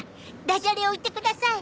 ダジャレを言ってください！